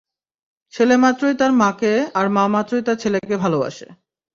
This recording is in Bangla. ছেলে মাত্রই তার মাকে আর মা মাত্রই তার ছেলেকে ভালোবাসে।